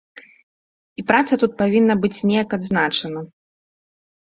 І праца тут павінна быць неяк адзначана.